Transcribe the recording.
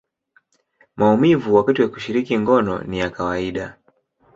maumivu wakati wa kushiriki ngono ni ya kawaida.